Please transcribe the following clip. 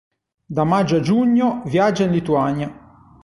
Da maggio a giugno viaggia in Lituania.